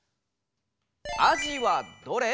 「あじはどれ？」。